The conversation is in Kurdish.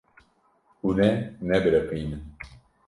Hûn ê nebiriqînin.